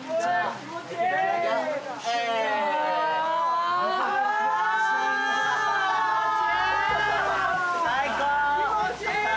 気持ちいい！